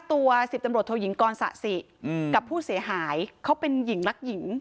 ๑๐ตำรวจโทยิงกรสะสิกับผู้เสียหายเขาเป็นหญิงรักหญิง